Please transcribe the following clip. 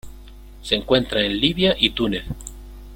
Se encuentra en Libia y Túnez.